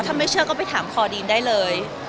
ถ้าไม่เชื่อก็ไปถามคอดีนได้เลย